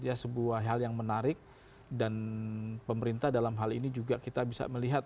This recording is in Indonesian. dan ini sebuah hal yang menarik dan pemerintah dalam hal ini juga kita bisa melihat